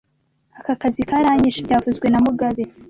Aka kazi karanyishe byavuzwe na mugabe